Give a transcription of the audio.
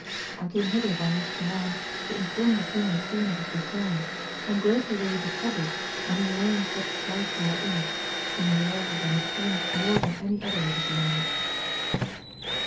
I came hither by his command to inform the king and queen of his return, and greatly will he be troubled when he learns what plight you are in, whom he loves and esteems more than any other of his lineage.